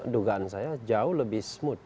dugaan saya jauh lebih smooth